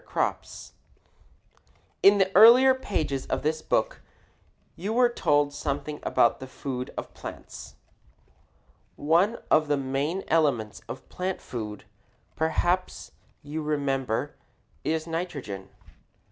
SOY BEANS AND COWPEAS, TWO GREAT SOIL IMPROVERS] In the earlier pages of this book you were told something about the food of plants. One of the main elements of plant food, perhaps you remember, is nitrogen.